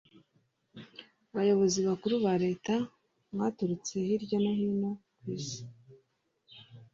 bayobozi bakuru ba leta mwaturutse hirya no hino ku isi